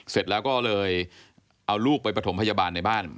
เสร็จแล้วก็เลยเอาลูกไปประถมพยาบาลในบ้าน